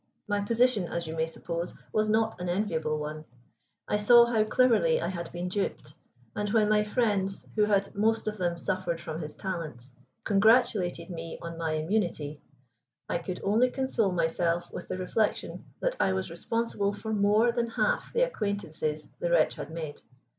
My position, as you may suppose was not an enviable one. I saw how cleverly I had been duped, and when my friends, who had most of them, suffered from his talents, congratulated me on my immunity, I could only console myself with the reflection that I was responsible for more than half the acquaintances the wretch had made.